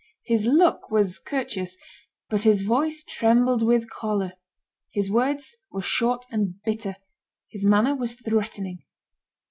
His look was courteous, but his voice trembled with choler; his words were short and bitter, his manner was threatening.